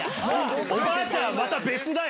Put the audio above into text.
おばあちゃんはまた別だよ。